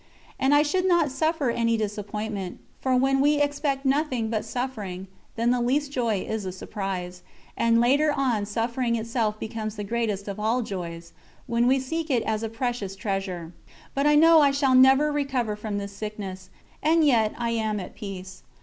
And I should not suffer any disappointment, for when we expect nothing but suffering, then the least joy is a surprise; and later on suffering itself becomes the greatest of all joys, when we seek it as a precious treasure. But I know I shall never recover from this sickness, and yet I am at peace.